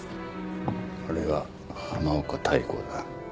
あれは浜岡妙子だ。